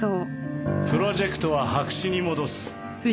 プロジェクトは白紙に戻す。